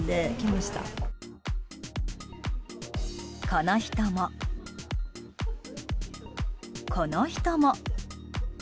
この人も、この人も。